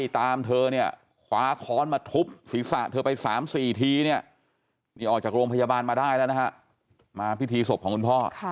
ตอนนี้นี่ออกจากโรงพยาบาลมาได้แล้วนะฮะมาพิธีศพของคุณพ่อ